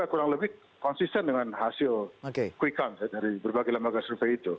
juga kurang lebih konsisten dengan hasil kuikon dari berbagai lembaga survei itu